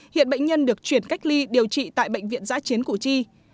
hiện bệnh nhân được chuyển cách ly điều trị tại bệnh viện giã chiến củ chi